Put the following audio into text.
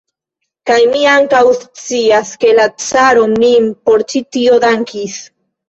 Kaj mi ankaŭ scias, ke la caro min por ĉi tio dankis.